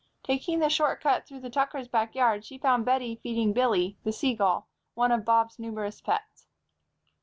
Taking the short cut through the Tuckers' back yard she found Bettie feeding Billy, the seagull, one of Bob's numerous pets.